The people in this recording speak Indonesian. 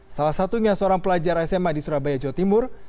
salah satunya seorang pelajar sma di surabaya jawa timur